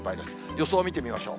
予想見てみましょう。